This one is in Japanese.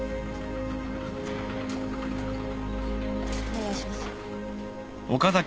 お願いします。